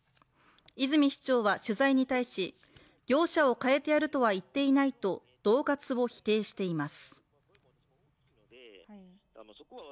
泉市長は取材に対し、業者を替えてやるとは言っていないとどう喝を否定しています。